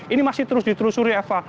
ini masih terus ditelusuri eva